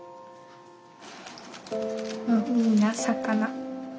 みんな魚。